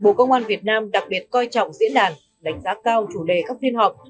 bộ công an việt nam đặc biệt coi trọng diễn đàn đánh giá cao chủ đề các phiên họp